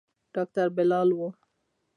ډاکتر بلال و.